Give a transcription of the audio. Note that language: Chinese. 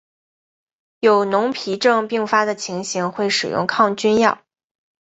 有脓皮症并发的情形会使用抗菌药。